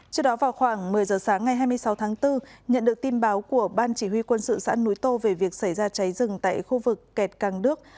trước đó vào khoảng một mươi giờ sáng ngày hai mươi sáu tháng bốn nhận được tin báo của ban chỉ huy quân sự xã núi tô về việc xảy ra cháy rừng tại khu vực kẹt càng đước